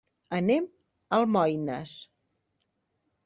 Anem a Almoines.